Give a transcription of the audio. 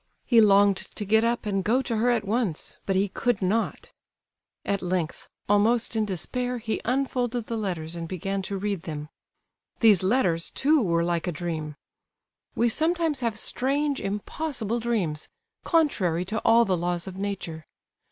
He longed to get up and go to her at once—but he could not. At length, almost in despair, he unfolded the letters, and began to read them. These letters, too, were like a dream. We sometimes have strange, impossible dreams, contrary to all the laws of nature.